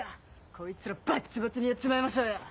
こいつらバッチバチにやっちまいましょうよ！